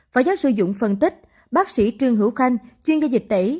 phó giáo sư dũng phân tích bác sĩ trương hữu khanh chuyên gia dịch tẩy